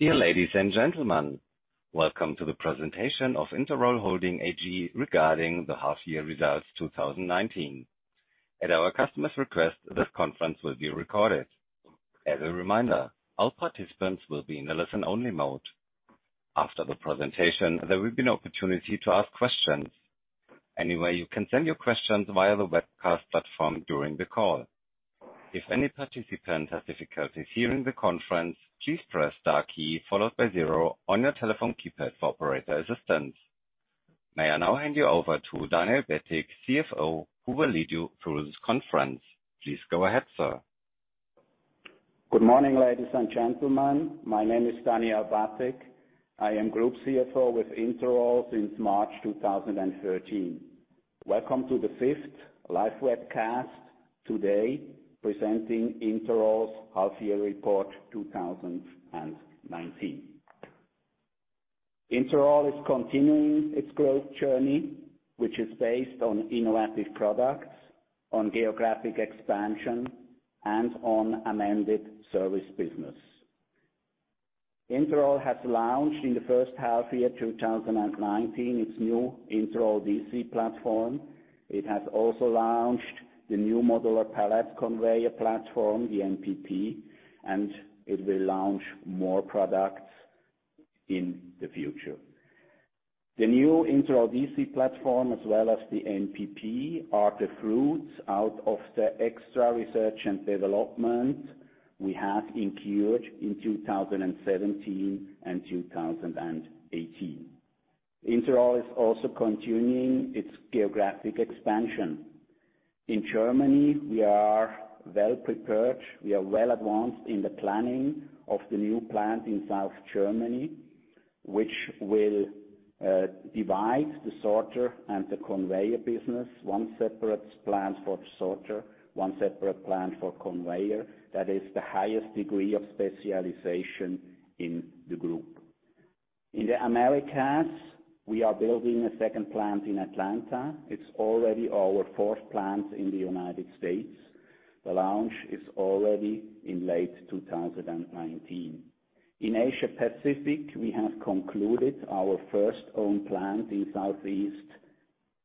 Dear ladies and gentlemen, welcome to the presentation of Interroll Holding AG regarding the half year results 2019. At our customer's request, this conference will be recorded. As a reminder, all participants will be in a listen-only mode. After the presentation, there will be an opportunity to ask questions. You can send your questions via the webcast platform during the call. If any participant has difficulties hearing the conference, please press star key followed by zero on your telephone keypad for operator assistance. May I now hand you over to Daniel Bättig, CFO, who will lead you through this conference. Please go ahead, sir. Good morning, ladies and gentlemen. My name is Daniel Bättig. I am Group CFO with Interroll since March 2013. Welcome to the fifth live webcast today, presenting Interroll's half-year report 2019. Interroll is continuing its growth journey, which is based on innovative products, on geographic expansion, and on amended service business. Interroll has launched in the first half year 2019, its new Interroll DC platform. It has also launched the new Modular Pallet Conveyor Platform, the MPP, and it will launch more products in the future. The new Interroll DC platform, as well as the MPP, are the fruits out of the extra research and development we have incurred in 2017 and 2018. Interroll is also continuing its geographic expansion. In Germany, we are well prepared. We are well advanced in the planning of the new plant in South Germany, which will divide the sorter and the conveyor business. One separate plant for sorter, one separate plant for conveyor. That is the highest degree of specialization in the group. In the Americas, we are building a second plant in Atlanta. It's already our fourth plant in the U.S. The launch is already in late 2019. In Asia Pacific, we have concluded our first own plant in Southeast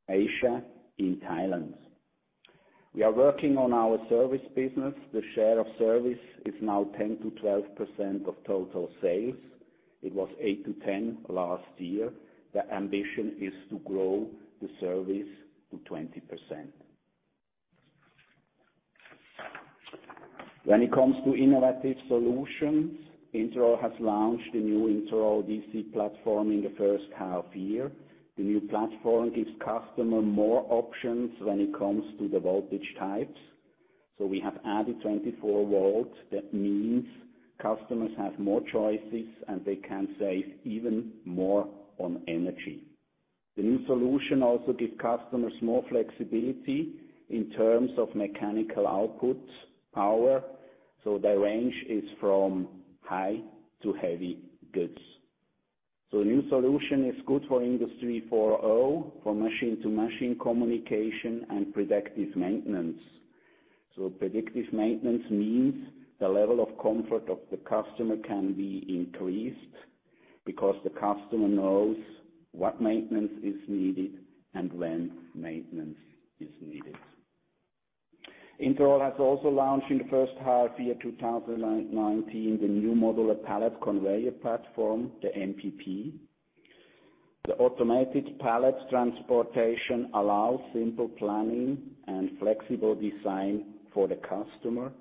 Asia in Thailand. We are working on our service business. The share of service is now 10%-12% of total sales. It was 8%-10% last year. The ambition is to grow the service to 20%. When it comes to innovative solutions, Interroll has launched the new Interroll DC platform in the first half year. The new platform gives customer more options when it comes to the voltage types. We have added 24 volts. That means customers have more choices, and they can save even more on energy. The new solution also give customers more flexibility in terms of mechanical output power. The range is from high to heavy goods. New solution is good for Industry 4.0, for machine-to-machine communication, and predictive maintenance. Predictive maintenance means the level of comfort of the customer can be increased because the customer knows what maintenance is needed and when maintenance is needed. Interroll has also launched in the first half year 2019 the new Modular Pallet Conveyor Platform, the MPP. The automated pallet transportation allows simple planning and flexible design for the customer.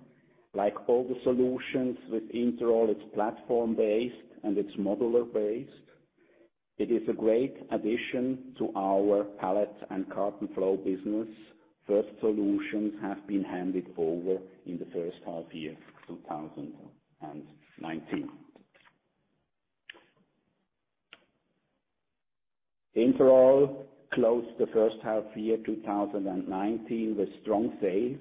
Like all the solutions with Interroll, it's platform-based and it's modular-based. It is a great addition to our Pallet & Carton Flow business. First solutions have been handed over in the first half year, 2019. Interroll closed the first half year 2019 with strong sales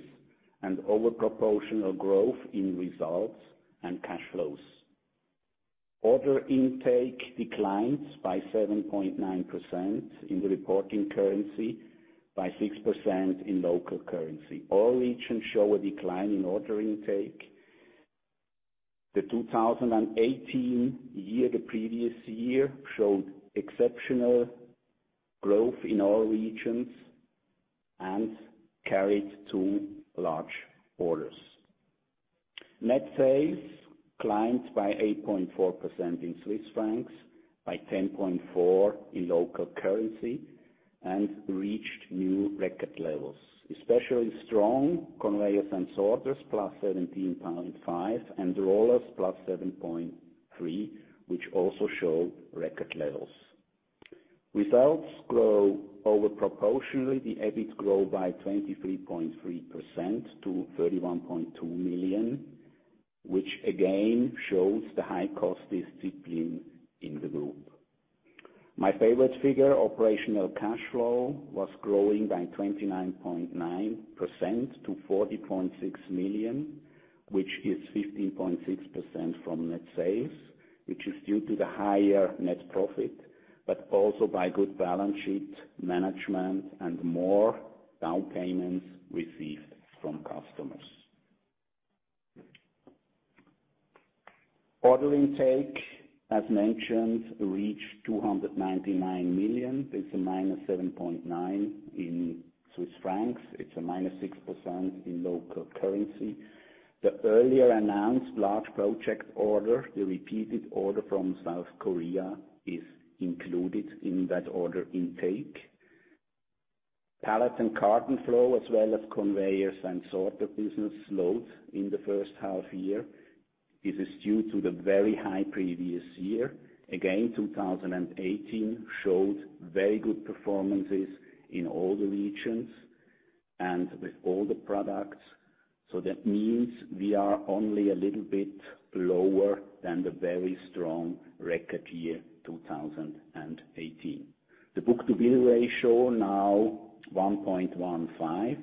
and overproportional growth in results and cash flows. Order intake declines by 7.9% in the reporting currency, by 6% in local currency. All regions show a decline in order intake. The 2018 year, the previous year, showed exceptional growth in all regions and carried two large orders. Net sales climbed by 8.4% in CHF, by 10.4% in local currency, reached new record levels. Especially strong Conveyors & Sorters, +17.5%, Rollers +7.3%, which also show record levels. Results grow over proportionally. The EBIT grow by 23.3% to 31.2 million, which again shows the high cost discipline in the group. My favorite figure, operational cash flow, was growing by 29.9% to 40.6 million, which is 15.6% from net sales, which is due to the higher net profit. Also by good balance sheet management and more down payments received from customers. Order intake, as mentioned, reached 299 million. It's a -7.9% in CHF. It's a -6% in local currency. The earlier announced large project order, the repeated order from South Korea, is included in that order intake. Pallet & Carton Flow, as well as Conveyors & Sorters business, slowed in the first half-year. This is due to the very high previous year. Again, 2018 showed very good performances in all the regions and with all the products. That means we are only a little bit lower than the very strong record year, 2018. The book-to-bill ratio now 1.15.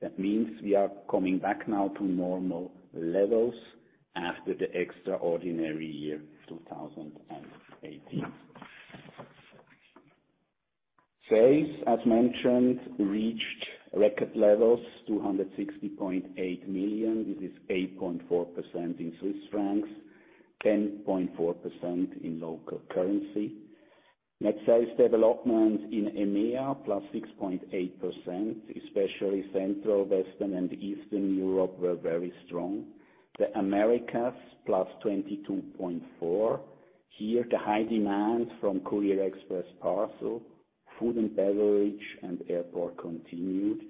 That means we are coming back now to normal levels after the extraordinary year, 2018. Sales, as mentioned, reached record levels, 260.8 million. This is 8.4% in CHF, 10.4% in local currency. Net sales development in EMEA +6.8%, especially Central, Western, and Eastern Europe were very strong. The Americas, +22.4%. Here, the high demand from Courier, Express, and Parcel, food and beverage, and airport continued.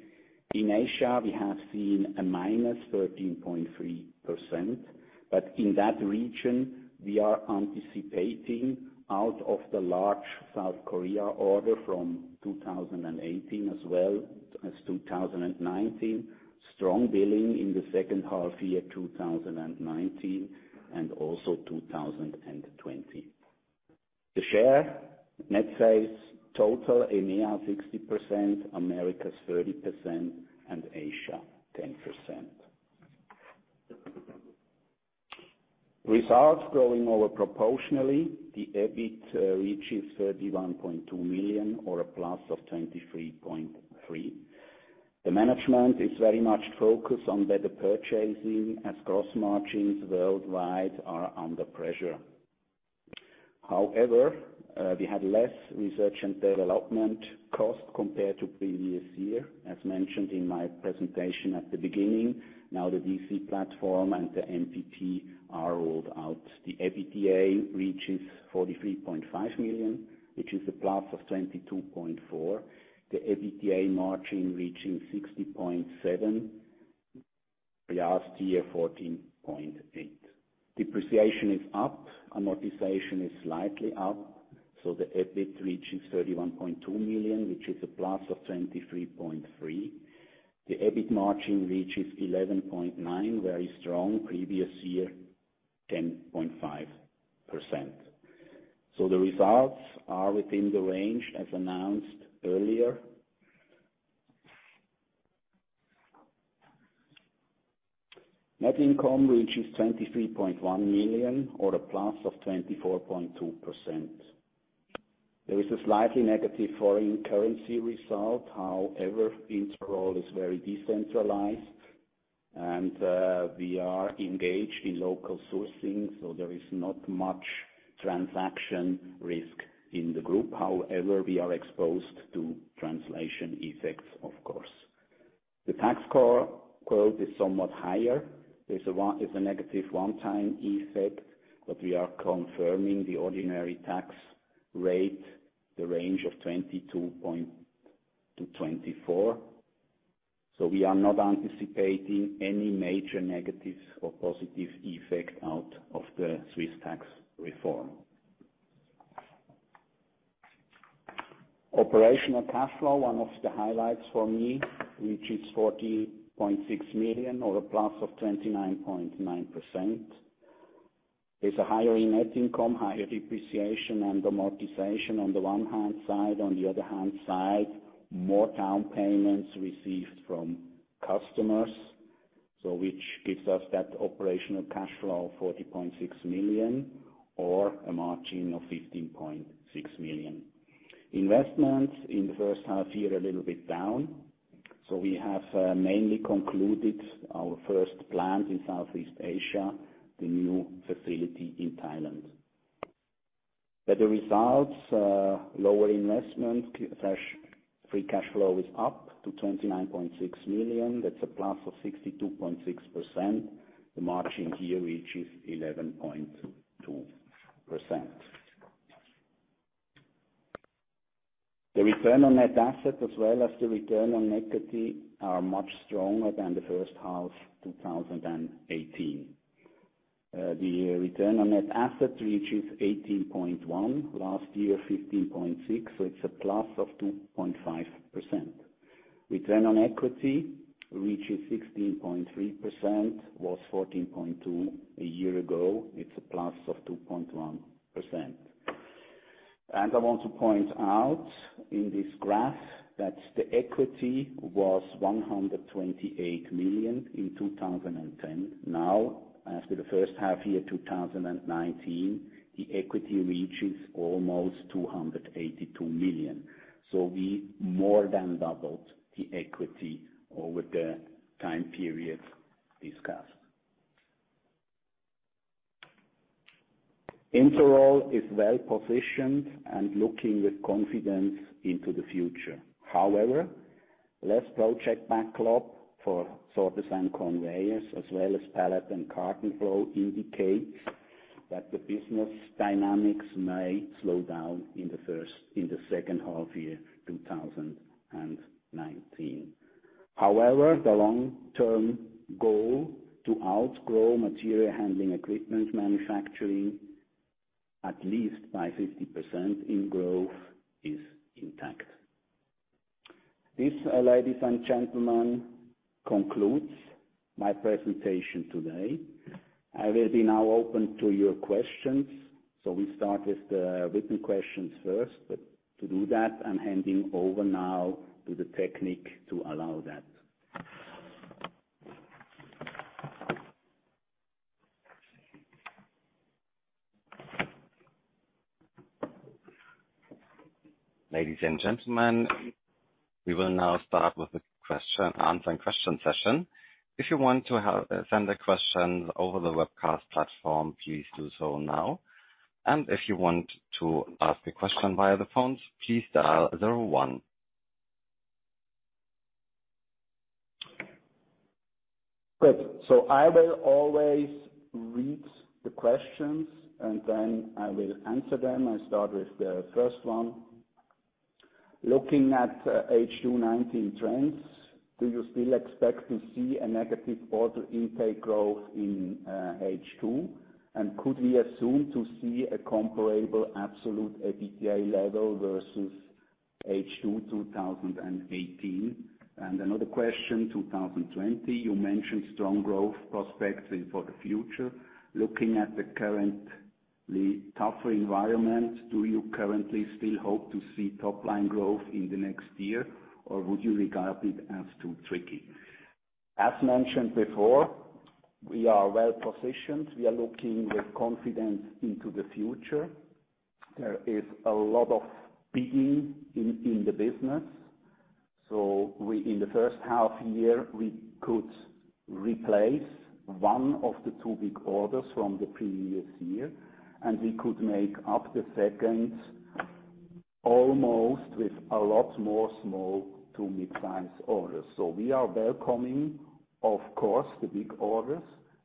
In Asia, we have seen a -13.3%, but in that region, we are anticipating out of the large South Korea order from 2018 as well as 2019, strong billing in the second half year 2019 and also 2020. The share net sales total, EMEA 60%, Americas 30%, and Asia 10%. Results growing over proportionally. The EBIT reaches 31.2 million or a plus of 23.3%. The management is very much focused on better purchasing as gross margins worldwide are under pressure. However, we had less research and development costs compared to previous year, as mentioned in my presentation at the beginning. Now the DC platform and the MCP are rolled out. The EBITDA reaches 43.5 million, which is a plus of 22.4%. The EBITDA margin reaching 60.7%. Last year, 14.8%. Depreciation is up. Amortization is slightly up. The EBIT reaches 31.2 million, which is a plus of 23.3%. The EBIT margin reaches 11.9%, very strong. Previous year, 10.5%. The results are within the range as announced earlier. Net income reaches 23.1 million or a plus of 24.2%. There is a slightly negative foreign currency result. However, Interroll is very decentralized and we are engaged in local sourcing, there is not much transaction risk in the group. However, we are exposed to translation effects, of course. The tax growth is somewhat higher. There is a negative one-time effect, we are confirming the ordinary tax rate, the range of 22%-24%. We are not anticipating any major negative or positive effect out of the Swiss tax reform. Operational cash flow, one of the highlights for me, which is 40.6 million or a plus of 29.9%. There's a higher net income, higher depreciation and amortization on the one hand side. On the other hand side, more down payments received from customers, which gives us that operational cash flow of 40.6 million or a margin of 15.6 million. Investments in the first half year, a little bit down. We have mainly concluded our first plant in Southeast Asia, the new facility in Thailand. The results, lower investment/free cash flow is up to 29.6 million. That's a plus of 62.6%. The margin here reaches 11.2%. The return on net assets as well as the return on equity are much stronger than the first half 2018. The return on net assets reaches 18.1%, last year, 15.6%, it's a plus of 2.5%. Return on equity reaches 16.3%, was 14.2% a year ago. It's a plus of 2.1%. I want to point out in this graph that the equity was 128 million in 2010. As for the first half year 2019, the equity reaches almost 282 million. We more than doubled the equity over the time period discussed. Interroll is well-positioned and looking with confidence into the future. However, less project backlog for Sorters and Conveyors, as well as Pallet & Carton Flow indicates that the business dynamics may slow down in the second half year 2019. However, the long-term goal to outgrow material handling equipment manufacturing at least by 50% in growth is intact. This, ladies and gentlemen, concludes my presentation today. I will be now open to your questions. We start with the written questions first, but to do that, I'm handing over now to the technique to allow that. Ladies and gentlemen, we will now start with the answer and question session. If you want to send a question over the webcast platform, please do so now. If you want to ask a question via the phones, please dial zero one. Good. I will always read the questions and then I will answer them. I start with the first one. Looking at H2 2019 trends, do you still expect to see a negative order intake growth in H2? Could we assume to see a comparable absolute EBIT level versus H2 2018? Another question, 2020, you mentioned strong growth prospects for the future. Looking at the currently tougher environment, do you currently still hope to see top-line growth in the next year, or would you regard it as too tricky? As mentioned before, we are well-positioned. We are looking with confidence into the future. There is a lot of bidding in the business. In the first half year, we could replace one of the two big orders from the previous year, and we could make up the second almost with a lot more small to mid-size orders. We are welcoming, of course, the big orders,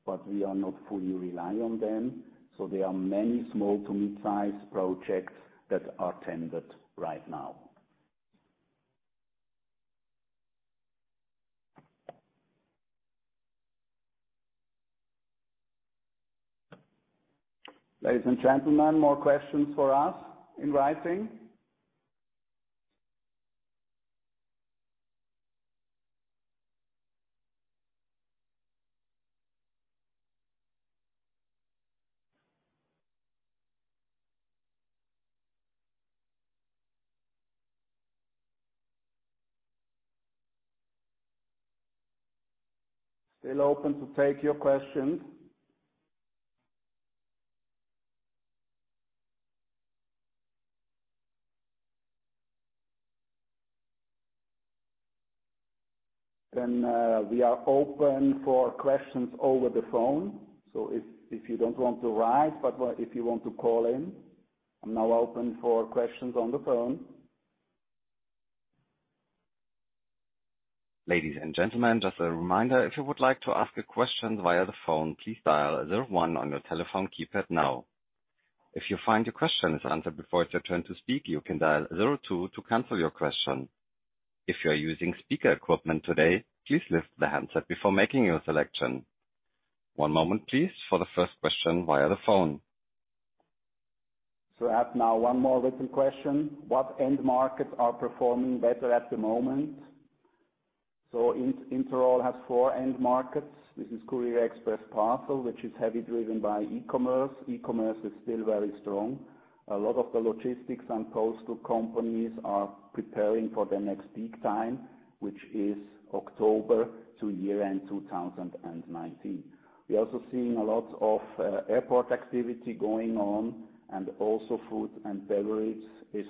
but we are not fully reliant on them. There are many small to mid-size projects that are tendered right now. Ladies and gentlemen, more questions for us in writing. Still open to take your questions. We are open for questions over the phone. If you don't want to write, but if you want to call in, I'm now open for questions on the phone. Ladies and gentlemen, just a reminder, if you would like to ask a question via the phone, please dial zero one on your telephone keypad now. If you find your question is answered before it's your turn to speak, you can dial zero two to cancel your question. If you are using speaker equipment today, please lift the handset before making your selection. One moment, please, for the first question via the phone. I have now one more written question. What end markets are performing better at the moment? Interroll has four end markets. This is Courier, Express, Parcel, which is heavy driven by e-commerce. E-commerce is still very strong. A lot of the logistics and postal companies are preparing for their next peak time, which is October to year-end 2019. We're also seeing a lot of airport activity going on, and also food and beverage is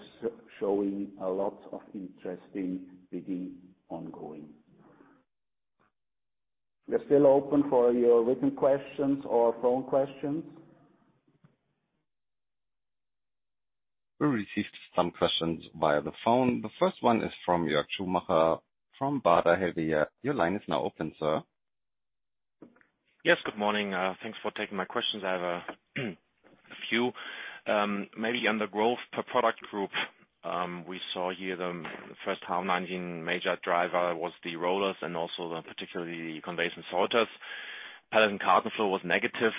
showing a lot of interesting bidding ongoing. We're still open for your written questions or phone questions. We received some questions via the phone. The first one is from Jörg Schumacher from Baader Helvea. Your line is now open, sir. Yes, good morning. Thanks for taking my questions. I have a few. Maybe on the growth per product group. We saw here the first half 2019 major driver was the Rollers and also particularly the Conveyors & Sorters. Pallet & Carton Flow was negative.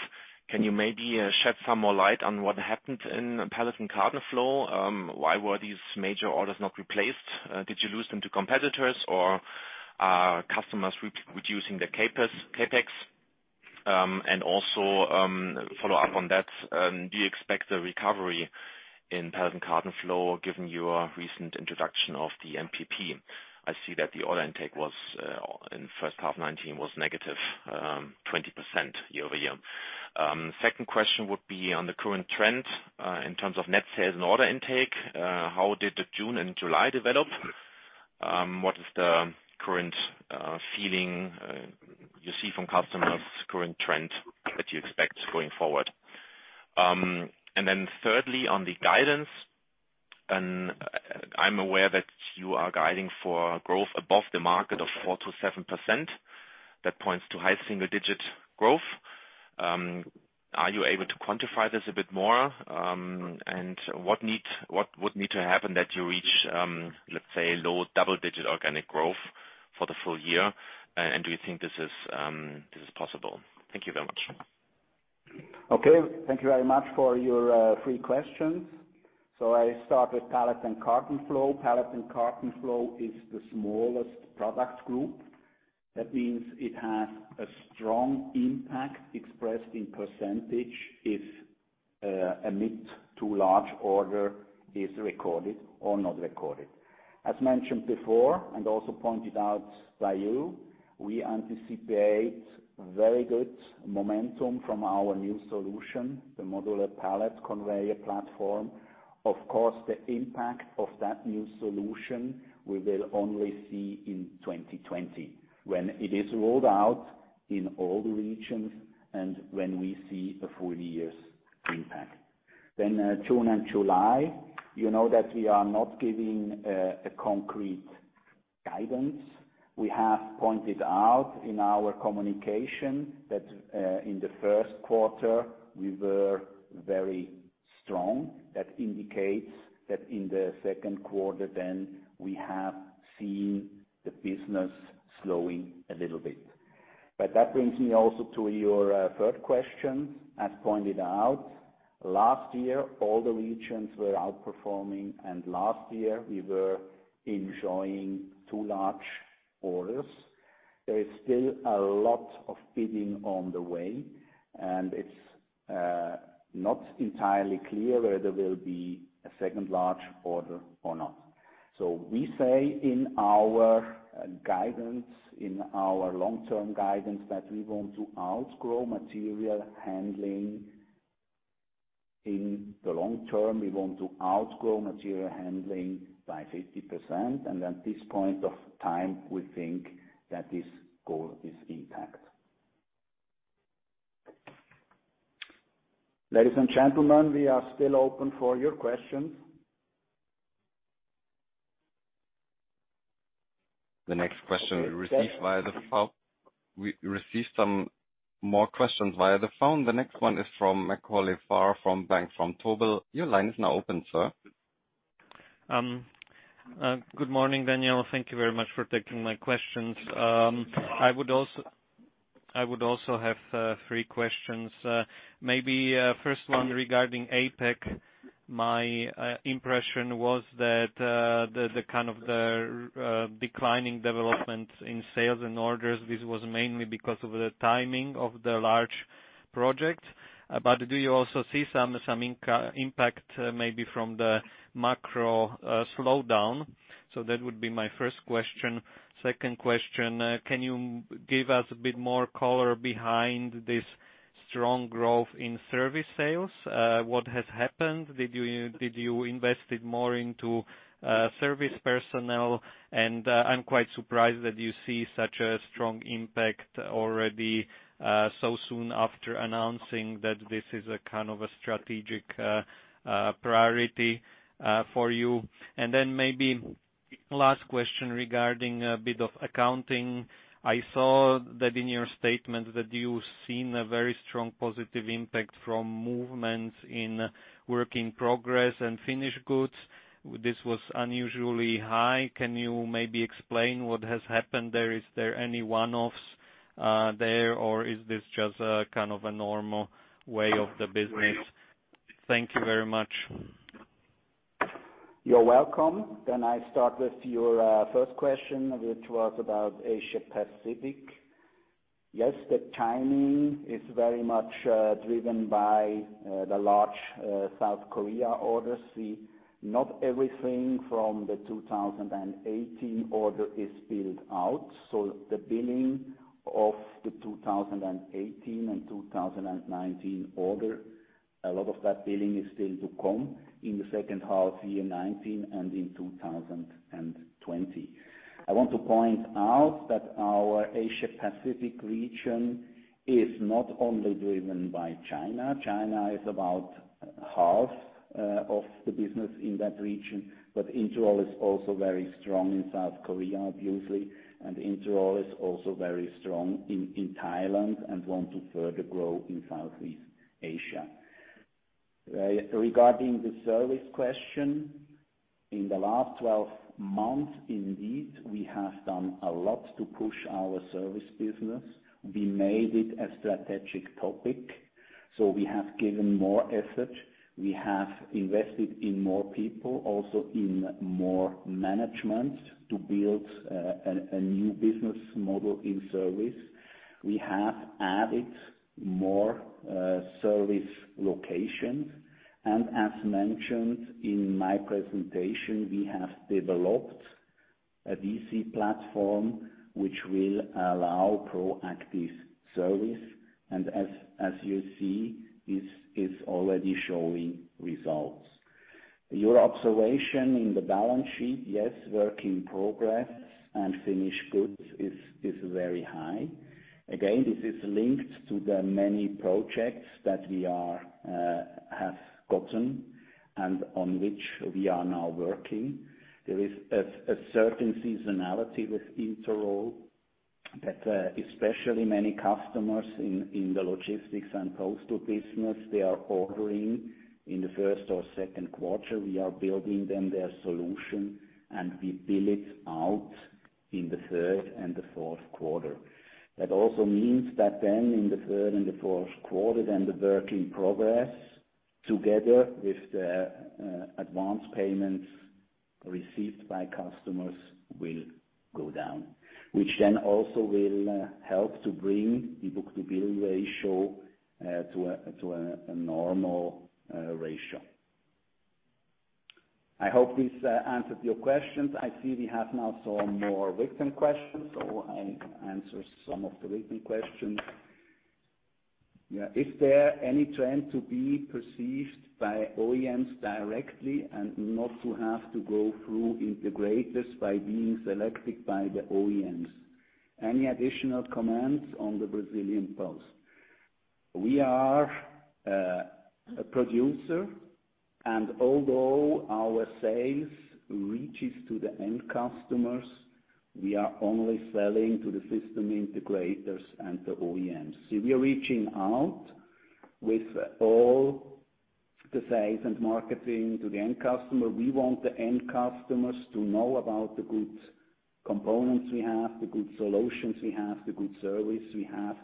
Can you maybe shed some more light on what happened in Pallet & Carton Flow? Why were these major orders not replaced? Did you lose them to competitors or are customers reducing their CapEx? Also, follow up on that, do you expect a recovery in Pallet & Carton Flow, given your recent introduction of the MPP? I see that the order intake in first half 2019 was negative 20% year-over-year. Second question would be on the current trend, in terms of net sales and order intake, how did the June and July develop? What is the current feeling you see from customers' current trend that you expect going forward? Then thirdly, on the guidance, and I'm aware that you are guiding for growth above the market of 4% to 7%. That points to high single-digit growth. Are you able to quantify this a bit more? What would need to happen that you reach, let's say, low double-digit organic growth for the full year? Do you think this is possible? Thank you very much. Okay. Thank you very much for your three questions. I start with Pallet & Carton Flow. Pallet & Carton Flow is the smallest product group. That means it has a strong impact expressed in % if a mid to large order is recorded or not recorded. As mentioned before, and also pointed out by you, we anticipate very good momentum from our new solution, the Modular Pallet Conveyor Platform. Of course, the impact of that new solution, we will only see in 2020, when it is rolled out in all the regions and when we see a full year's impact. June and July, you know that we are not giving a concrete guidance. We have pointed out in our communication that in the first quarter we were very strong. That indicates that in the second quarter then, we have seen the business slowing a little bit. That brings me also to your third question. As pointed out, last year, all the regions were outperforming, and last year we were enjoying 2 large orders. There is still a lot of bidding on the way, and it's not entirely clear whether there will be a second large order or not. We say in our long-term guidance that we want to outgrow material handling. In the long term, we want to outgrow material handling by 50%, and at this point of time, we think that this goal is intact. Ladies and gentlemen, we are still open for your questions. The next question we received via the phone. We received some more questions via the phone. The next one is from Macauley Farr from Bank Vontobel. Your line is now open, sir. Good morning, Daniel. Thank you very much for taking my questions. I would also have three questions. First one regarding APAC. My impression was that the declining development in sales and orders, this was mainly because of the timing of the large project. Do you also see some impact maybe from the macro slowdown? That would be my first question. Second question, can you give us a bit more color behind this strong growth in service sales? What has happened? Did you invested more into service personnel? I'm quite surprised that you see such a strong impact already so soon after announcing that this is a kind of a strategic priority for you. Maybe last question regarding a bit of accounting. I saw that in your statement that you've seen a very strong positive impact from movements in work in progress and finished goods. This was unusually high. Can you maybe explain what has happened there? Is there any one-offs there, or is this just a normal way of the business? Thank you very much. You're welcome. I start with your first question, which was about Asia Pacific. Yes, the timing is very much driven by the large South Korea orders. Not everything from the 2018 order is billed out. The billing of the 2018 and 2019 order, a lot of that billing is still to come in the second half year 2019 and in 2020. I want to point out that our Asia Pacific region is not only driven by China. China is about half of the business in that region, but Interroll is also very strong in South Korea, obviously, and Interroll is also very strong in Thailand and want to further grow in Southeast Asia. Regarding the service question, in the last 12 months, indeed, we have done a lot to push our service business. We made it a strategic topic. We have given more effort. We have invested in more people, also in more management to build a new business model in service. We have added more service locations. As mentioned in my presentation, we have developed a DC platform which will allow proactive service. As you see, it's already showing results. Your observation in the balance sheet, yes, work in progress and finished goods is very high. Again, this is linked to the many projects that we have gotten and on which we are now working. There is a certain seasonality with Interroll that especially many customers in the logistics and postal business, they are ordering in the first or second quarter. We are building them their solution, and we bill it out in the third and the fourth quarter. That also means that in the third and the fourth quarter, the work in progress together with the advance payments received by customers will go down. Also will help to bring the book-to-bill ratio to a normal ratio. I hope this answered your questions. I see we have now some more written questions. I'll answer some of the written questions. Yeah. Is there any trend to be perceived by OEMs directly and not to have to go through integrators by being selected by the OEMs? Any additional comments on the Brazilian Post? We are a producer, although our sales reaches to the end customers, we are only selling to the system integrators and the OEMs. See, we are reaching out with all the sales and marketing to the end customer. We want the end customers to know about the good components we have, the good solutions we have, the good service we have.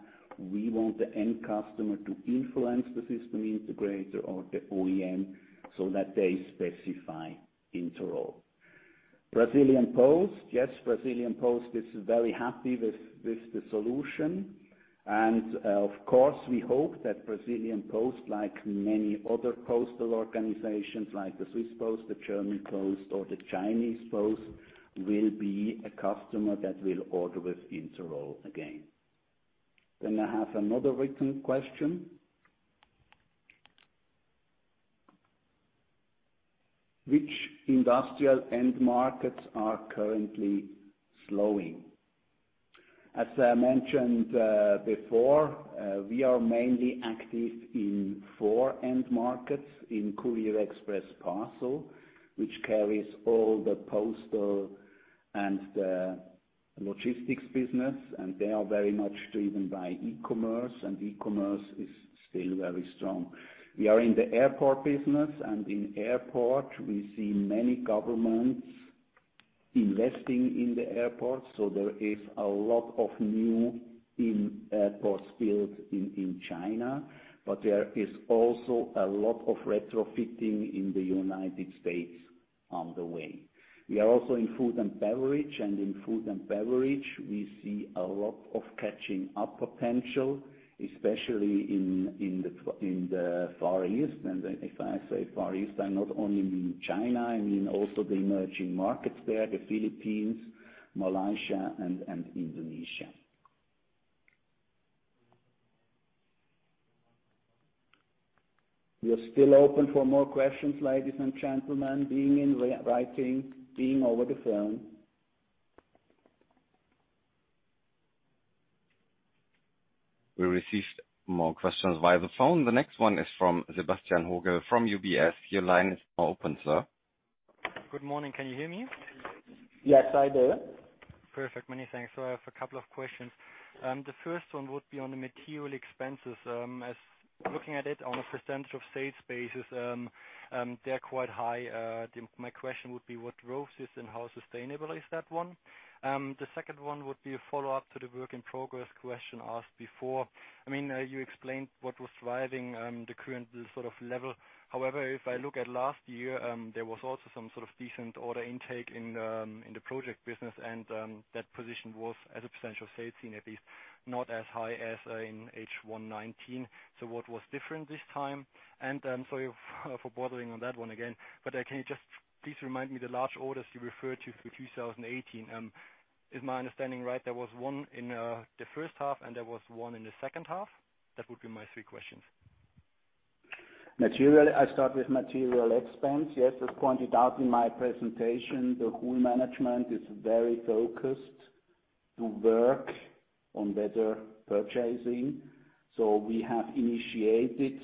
We want the end customer to influence the system integrator or the OEM so that they specify Interroll. Brazilian Post. Yes, Brazilian Post is very happy with the solution. Of course, we hope that Brazilian Post, like many other postal organizations, like the Swiss Post, the German Post, or the Chinese Post, will be a customer that will order with Interroll again. I have another written question. Which industrial end markets are currently slowing? As I mentioned before, we are mainly active in four end markets, in Courier, Express, and Parcel, which carries all the postal and the logistics business, and they are very much driven by e-commerce, and e-commerce is still very strong. We are in the airport business. In airport, we see many governments investing in the airport. There is a lot of new airports built in China, but there is also a lot of retrofitting in the U.S. on the way. We are also in food and beverage. In food and beverage, we see a lot of catching up potential, especially in the Far East. If I say Far East, I not only mean China, I mean also the emerging markets there, the Philippines, Malaysia, and Indonesia. We are still open for more questions, ladies and gentlemen, being in writing, being over the phone. We received more questions via the phone. The next one is from Sebastian Hooge from UBS. Your line is now open, sir. Good morning. Can you hear me? Yes, I do. Perfect. Many thanks. I have a couple of questions. The first one would be on the material expenses. Looking at it on a percentage of sales basis, they're quite high. My question would be what growth is and how sustainable is that one? The second one would be a follow-up to the work in progress question asked before. You explained what was driving the current sort of level. If I look at last year, there was also some sort of decent order intake in the project business, and that position was as a percentage of sales seen at least not as high as in H1-19. What was different this time? I'm sorry for bothering on that one again, but can you just please remind me the large orders you referred to for 2018. Is my understanding right, there was one in the first half and there was one in the second half? That would be my three questions. I start with material expense. Yes, as pointed out in my presentation, the whole management is very focused to work on better purchasing. We have initiated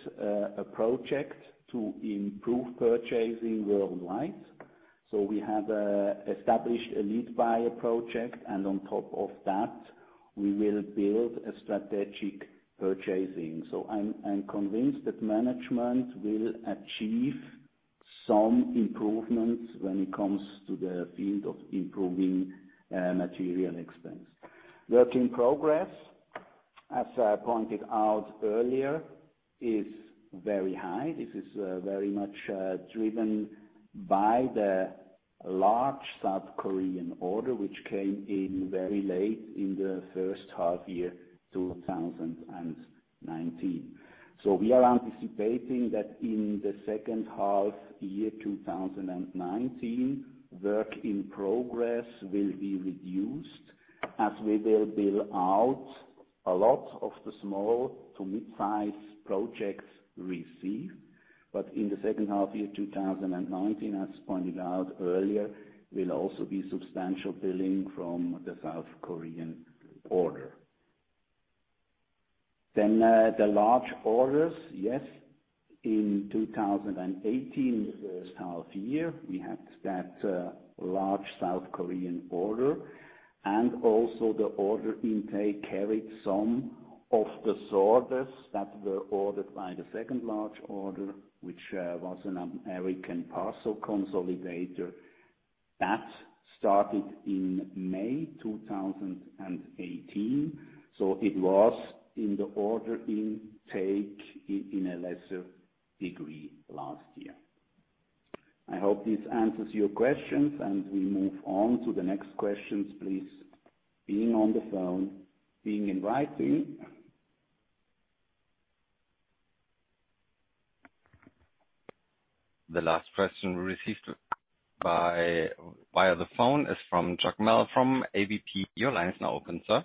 a project to improve purchasing worldwide. We have established a lead buyer project, and on top of that, we will build a strategic purchasing. I'm convinced that management will achieve some improvements when it comes to the field of improving material expense. Work in progress, as I pointed out earlier, is very high. This is very much driven by the large South Korean order, which came in very late in the first half year 2019. We are anticipating that in the second half year 2019, work in progress will be reduced as we will build out a lot of the small to mid-size projects received. In the second half year 2019, as pointed out earlier, will also be substantial billing from the South Korean order. The large orders. In 2018, the first half year, we had that large South Korean order. Also the order intake carried some of the orders that were ordered by the second large order, which was an American parcel consolidator. That started in May 2018, so it was in the order intake in a lesser degree last year. I hope this answers your questions, and we move on to the next questions, please. Being on the phone, being in writing. The last question we received via the phone is from Jacmel, from ABP. Your line is now open, sir.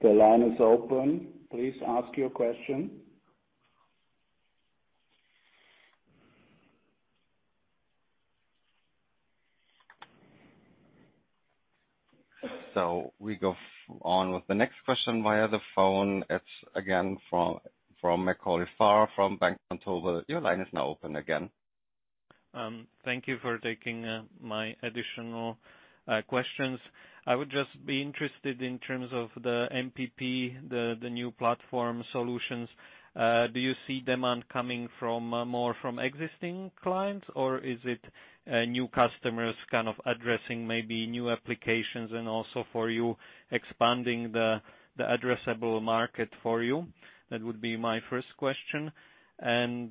The line is open. Please ask your question. we go on with the next question via the phone. It is again from Macauley Farr, from Bank Vontobel. Your line is now open again. Thank you for taking my additional questions. I would just be interested in terms of the MPP, the new platform solutions. Do you see demand coming more from existing clients, or is it new customers kind of addressing maybe new applications and also for you expanding the addressable market for you? That would be my first question. Then,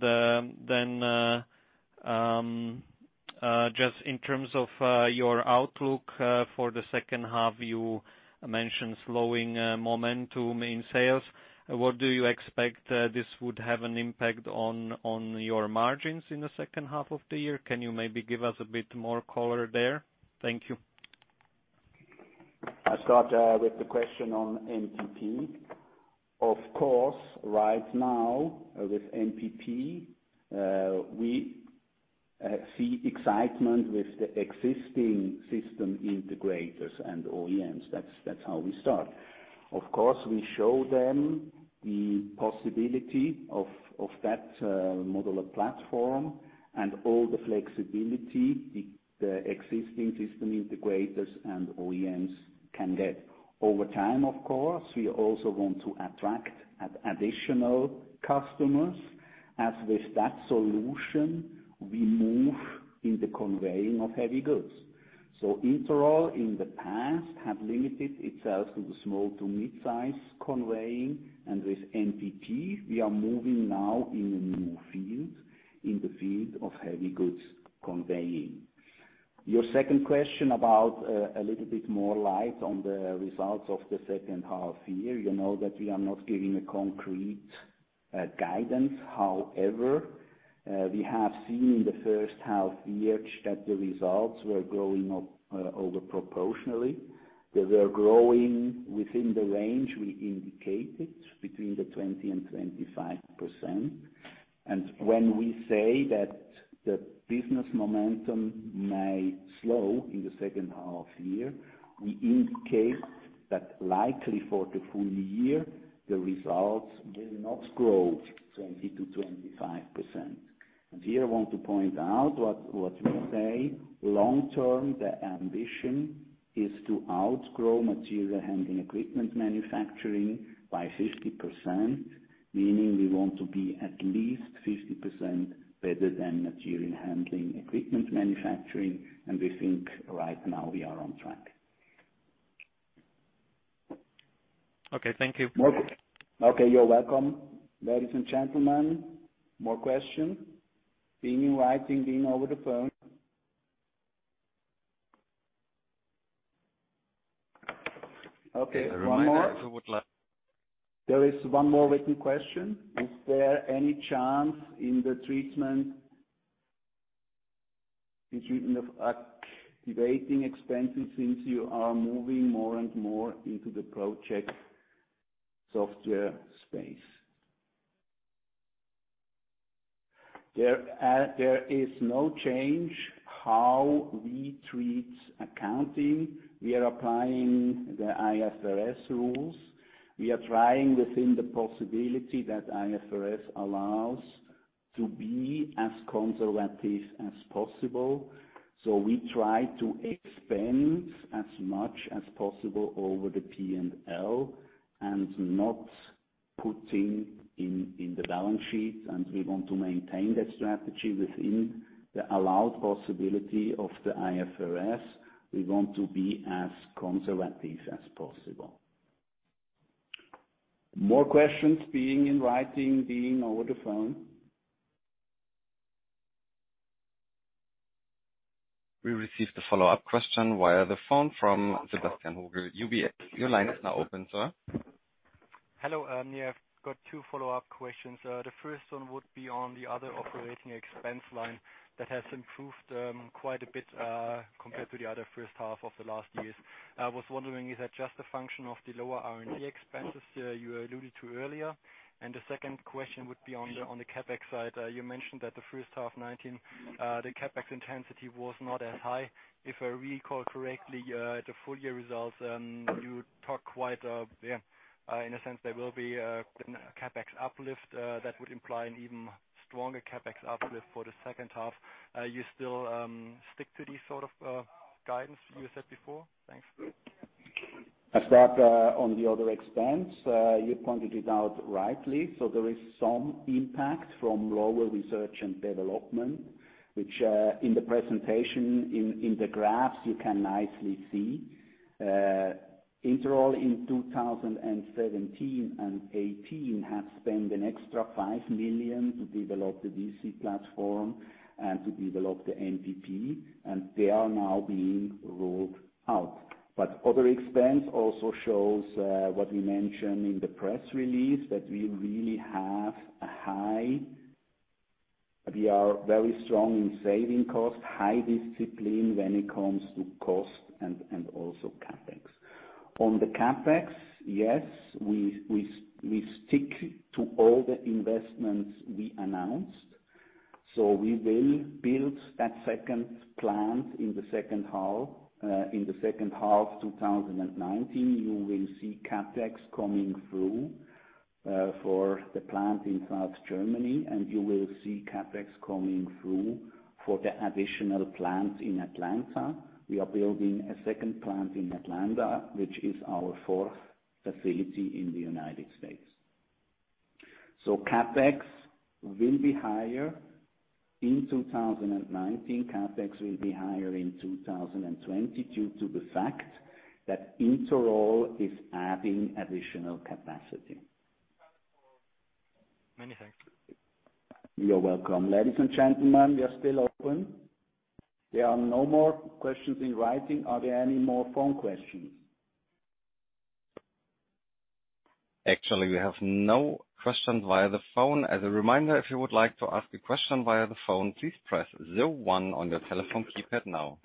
just in terms of your outlook for the second half, you mentioned slowing momentum in sales. What do you expect this would have an impact on your margins in the second half of the year? Can you maybe give us a bit more color there? Thank you. Right now with MPP, we see excitement with the existing system integrators and OEMs. That's how we start. We show them the possibility of that modular platform and all the flexibility the existing system integrators and OEMs can get. Over time, of course, we also want to attract additional customers. With that solution, we move in the conveying of heavy goods. Interroll in the past have limited itself to the small to mid-size conveying. With MPP, we are moving now in a new field, in the field of heavy goods conveying. Your second question about a little bit more light on the results of the second half year. You know that we are not giving a concrete guidance. However, we have seen in the first half year that the results were growing over proportionally. They were growing within the range we indicated between the 20% and 25%. When we say that the business momentum may slow in the second half-year, we indicate that likely for the full year, the results will not grow 20%-25%. Here I want to point out what we say long-term, the ambition is to outgrow material handling equipment manufacturing by 50%, meaning we want to be at least 50% better than material handling equipment manufacturing. We think right now we are on track. Okay, thank you. Okay, you're welcome. Ladies and gentlemen, more questions? Being in writing, being over the phone. Okay, one more. There is one more written question. Is there any chance in the treatment of activating expenses since you are moving more and more into the project software space? There is no change how we treat accounting. We are applying the IFRS rules. We are trying within the possibility that IFRS allows to be as conservative as possible. We try to expense as much as possible over the P&L, and not put in the balance sheet, and we want to maintain that strategy within the allowed possibility of the IFRS. We want to be as conservative as possible. More questions, being in writing, being over the phone? We received a follow-up question via the phone from Sebastian Hooge. Your line is now open, sir. Hello. Yeah. I've got two follow-up questions. The first one would be on the other operating expense line that has improved quite a bit, compared to the other first half of the last years. I was wondering, is that just a function of the lower R&D expenses you alluded to earlier? The second question would be on the CapEx side. You mentioned that the first half 2019, the CapEx intensity was not as high. If I recall correctly, the full year results, you talk quite, in a sense there will be a CapEx uplift, that would imply an even stronger CapEx uplift for the second half. You still stick to this sort of guidance you said before? Thanks. I start on the other expense. You pointed it out rightly. There is some impact from lower research and development, which, in the presentation, in the graphs, you can nicely see. Interroll in 2017 and 2018 has spent an extra 5 million to develop the DC platform and to develop the MPP, and they are now being rolled out. Other expense also shows what we mentioned in the press release, that we are very strong in saving cost, high discipline when it comes to cost and also CapEx. On the CapEx, yes, we stick to all the investments we announced. We will build that second plant in the second half of 2019. You will see CapEx coming through for the plant in South Germany. You will see CapEx coming through for the additional plant in Atlanta. We are building a second plant in Atlanta, which is our fourth facility in the U.S. CapEx will be higher in 2019. CapEx will be higher in 2020 due to the fact that Interroll is adding additional capacity. Many thanks. You're welcome. Ladies and gentlemen, we are still open. There are no more questions in writing. Are there any more phone questions? Actually, we have no questions via the phone. As a reminder, if you would like to ask a question via the phone, please press zero one on your telephone keypad now.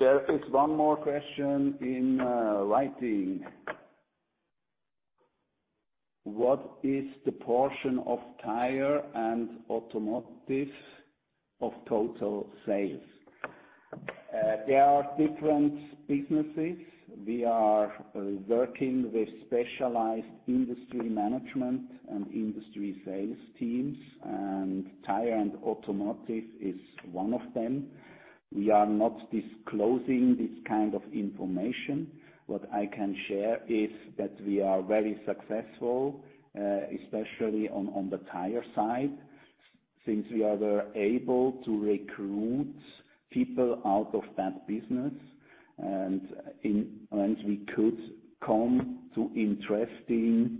There is one more question in writing. What is the portion of tire and automotive of total sales? There are different businesses. We are working with specialized industry management and industry sales teams. Tire and automotive is one of them. We are not disclosing this kind of information. What I can share is that we are very successful, especially on the tire side. Since we are able to recruit people out of that business, and we could come to interesting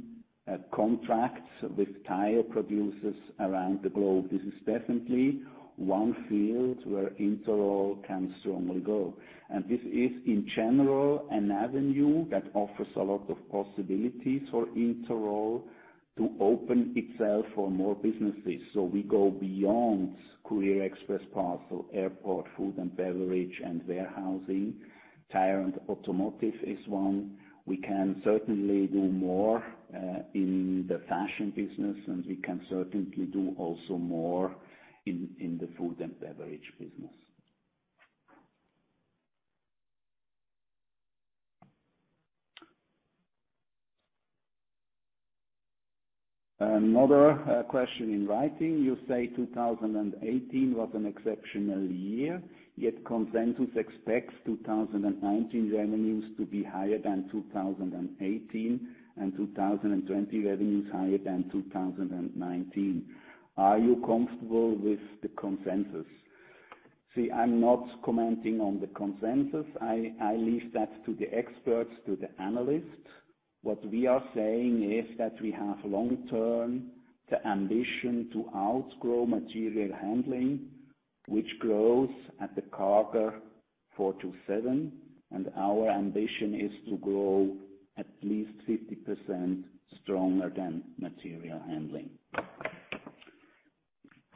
contracts with tire producers around the globe. This is definitely one field where Interroll can strongly go. This is, in general, an avenue that offers a lot of possibilities for Interroll to open itself for more businesses. We go beyond Courier, Express, Parcel, airport, food and beverage, and warehousing. Tire and automotive is one. We can certainly do more in the fashion business, and we can certainly do also more in the food and beverage business. Another question in writing. You say 2018 was an exceptional year, yet consensus expects 2019 revenues to be higher than 2018, and 2020 revenues higher than 2019. Are you comfortable with the consensus? See, I'm not commenting on the consensus. I leave that to the experts, to the analysts. What we are saying is that we have long term, the ambition to outgrow material handling, which grows at the CAGR 4%-7%, and our ambition is to grow at least 50% stronger than material handling.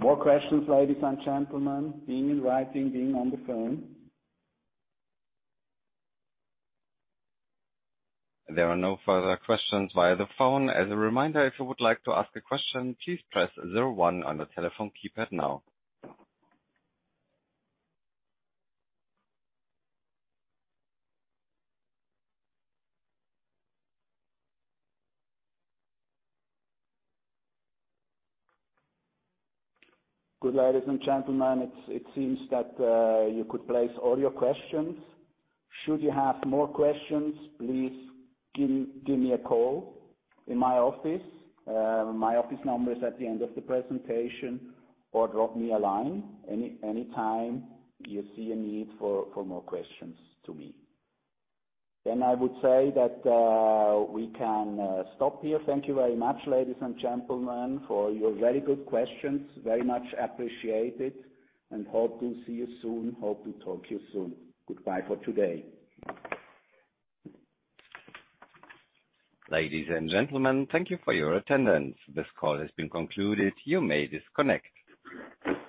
More questions, ladies and gentlemen, be in writing, be on the phone? There are no further questions via the phone. As a reminder, if you would like to ask a question, please press zero one on your telephone keypad now. Good, ladies and gentlemen. It seems that you could place all your questions. Should you have more questions, please give me a call in my office. My office number is at the end of the presentation, or drop me a line any time you see a need for more questions to me. I would say that we can stop here. Thank you very much, ladies and gentlemen, for your very good questions. Very much appreciated, and hope to see you soon. Hope to talk to you soon. Goodbye for today. Ladies and gentlemen, thank you for your attendance. This call has been concluded. You may disconnect.